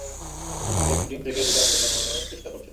সে একটা ডিম থেকে দুইটা অমলেট বানানো চেষ্টা করছে।